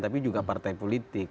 tapi juga partai politik